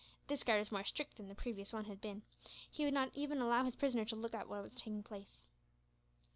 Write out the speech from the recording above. This guard was more strict than the previous one had been. He would not allow his prisoner even to look on at what was taking place.